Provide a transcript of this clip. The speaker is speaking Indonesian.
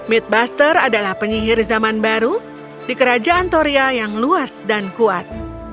midbuster adalah penyihir zaman baru di kerajaan toria yang luas dan kuat